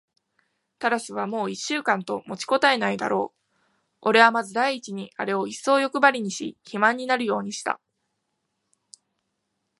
タラスはもう一週間と持ちこたえないだろう。おれはまず第一にあれをいっそうよくばりにし、肥満になるようにした。